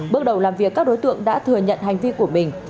bước đầu làm việc các đối tượng đã thừa nhận hành vi của mình